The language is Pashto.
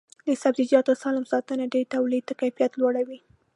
د سبزیجاتو سالم ساتنه د تولید کیفیت لوړوي.